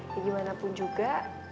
ya gimana pun juga